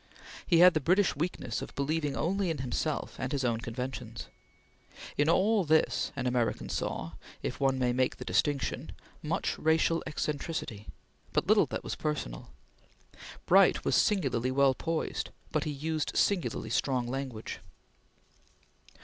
He had the British weakness of believing only in himself and his own conventions. In all this, an American saw, if one may make the distinction, much racial eccentricity, but little that was personal. Bright was singularly well poised; but he used singularly strong language.